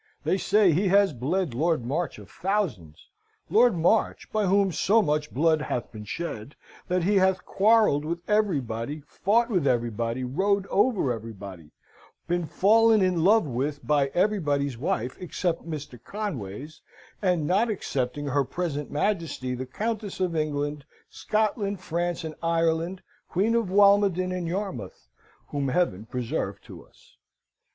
They say he has bled Lord March of thousands Lord March, by whom so much blood hath been shed, that he has quarrelled with everybody, fought with everybody, rode over everybody, been fallen in love with by everybody's wife except Mr. Conway's, and not excepting her present Majesty, the Countess of England, Scotland, France and Ireland, Queen of Walmoden and Yarmouth, whom Heaven preserve to us.